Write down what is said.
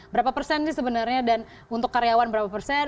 berapa persen sih sebenarnya dan untuk karyawan berapa persen